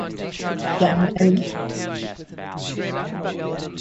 Neutral grays lie along the vertical axis between black and white.